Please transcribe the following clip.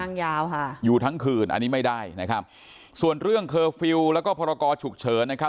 ยาวค่ะอยู่ทั้งคืนอันนี้ไม่ได้นะครับส่วนเรื่องเคอร์ฟิลล์แล้วก็พรกรฉุกเฉินนะครับ